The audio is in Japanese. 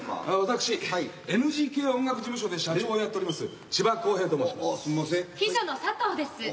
あっ私ＮＧＫ音楽事務所で社長をやっております千葉公平と申します。